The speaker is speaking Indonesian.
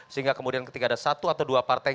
sehingga kemudian ketika ada satu atau dua partai